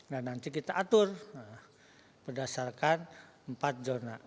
dan nanti kita atur berdasarkan empat zona